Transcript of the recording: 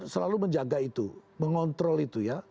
selalu menjaga itu mengontrol itu ya